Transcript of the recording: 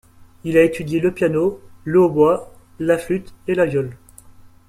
Il a étudié le piano, le hautbois, la flûte et la viole.